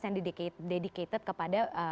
yang dedicated kepada